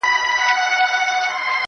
جانان مي په اوربل کي سور ګلاب ټمبلی نه دی-